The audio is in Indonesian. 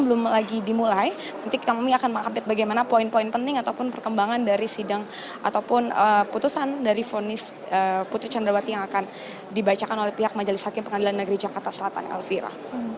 bagaimana poin poin penting ataupun perkembangan dari sidang ataupun putusan dari putri candrawati yang akan dibacakan oleh pihak majelis hakim pengadilan negeri jakarta selatan elvira